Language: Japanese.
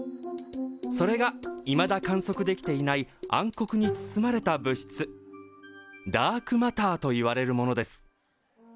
それがいまだ観測できていない暗黒に包まれた物質ダークマターといわれるものです。